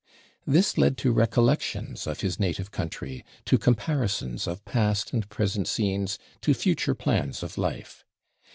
This led to recollections of his native country, to comparisons of past and present scenes, to future plans of life.